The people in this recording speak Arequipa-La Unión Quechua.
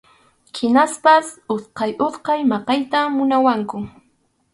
Hinaspas utqay utqay maqayta munawaqku.